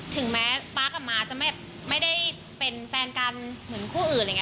ถึงแม้ป๊ากับม้าจะไม่ได้เป็นแฟนกันเหมือนคู่อื่น